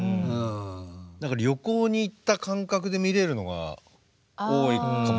何か旅行に行った感覚で見れるのが多いかもしれないですね。